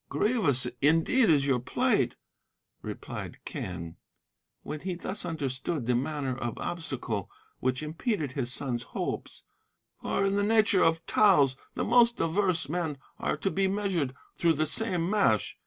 "'Grievous indeed is your plight,' replied Quen, when he thus understood the manner of obstacle which impeded his son's hopes; 'for in the nature of taels the most diverse men are to be measured through the same mesh.